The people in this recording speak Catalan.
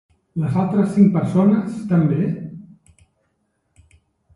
Les altres cinc persones també?